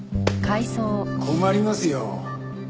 困りますよ。